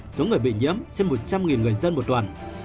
số người bị nhiễm trên một trăm linh người dân một đoàn